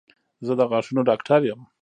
زه د غاښونو ډاکټر یم